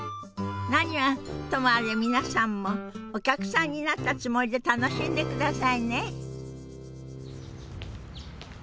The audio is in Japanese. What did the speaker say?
何はともあれ皆さんもお客さんになったつもりで楽しんでくださいね。